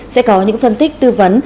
sẽ có những phân tích tư vấn